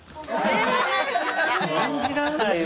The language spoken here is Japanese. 信じらんないよ。